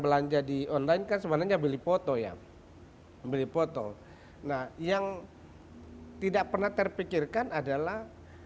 belanja di online kan sebenarnya beli foto ya beli foto nah yang tidak pernah terpikirkan adalah